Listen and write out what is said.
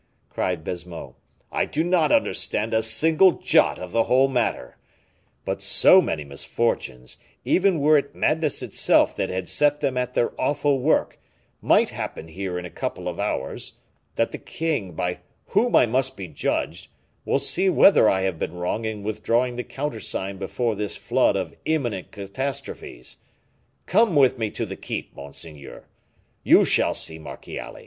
cried Baisemeaux; "I do not understand a single jot of the whole matter; but so many misfortunes, even were it madness itself that had set them at their awful work, might happen here in a couple of hours, that the king, by whom I must be judged, will see whether I have been wrong in withdrawing the countersign before this flood of imminent catastrophes. Come with me to the keep, monseigneur, you shall see Marchiali."